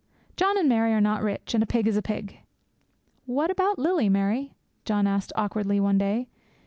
John and Mary are not rich; and a pig is a pig. 'What about Lily, Mary?' John asked awkwardly one day.